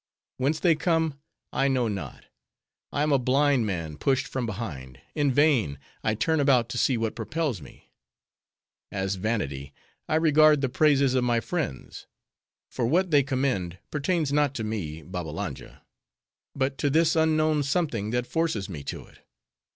Whence they come I know not. I am a blind man pushed from behind; in vain, I turn about to see what propels me. As vanity, I regard the praises of my friends; for what they commend pertains not to me, Babbalanja; but to this unknown something that forces me to it.